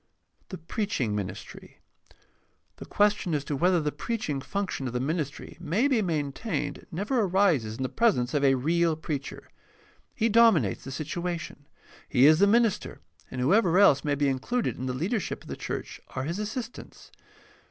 The preaching ministry. — The question as to whether the preaching function of the ministry may be maintained never arises in the presence of a real preacher. He dominates the situation. He is the minister, and whoever else may be in cluded in the leadership of the church are his assistants.